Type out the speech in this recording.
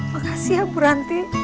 makasih ya bu ranti